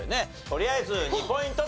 とりあえず２ポイント